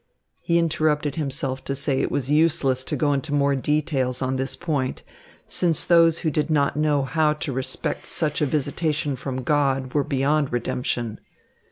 He interrupted himself to say it was useless to go into more details on this point, since those who did not know how to respect such a visitation from God were beyond redemption.